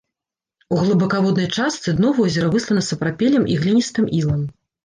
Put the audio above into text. У глыбакаводнай частцы дно возера выслана сапрапелем і гліністым ілам.